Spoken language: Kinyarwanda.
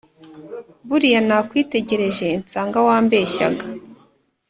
Buriya nakwitegereje nsanga wambeshyaga